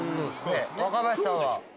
若林さんは？